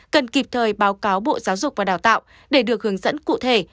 cần kịp thời báo cáo bộ giáo dục và đào tạo để được hướng dẫn cụ thể